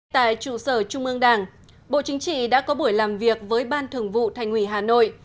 tại trụ sở trung ương đảng bộ chính trị đã có buổi làm việc với ban thường vụ thành ủy hà nội